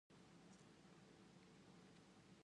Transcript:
Kenapa Taro bisa berbicara bahasa Inggris sebaik itu?